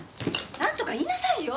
なんとか言いなさいよ！